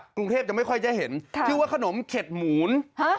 กรุงเทพยังไม่ค่อยจะเห็นชื่อว่าขนมเข็ดหมูน